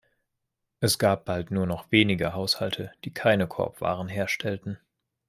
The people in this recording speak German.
Es gab bald nur noch wenige Haushalte die keine Korbwaren herstellten.